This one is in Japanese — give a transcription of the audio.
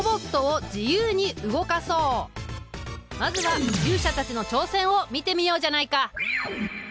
まずは勇者たちの挑戦を見てみようじゃないか！